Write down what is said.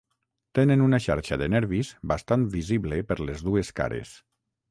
Tenen una xarxa de nervis bastant visible per les dues cares.